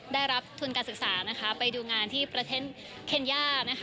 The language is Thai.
ได้รับทุนการศึกษาไปดูงานที่ประเทศเคนย่า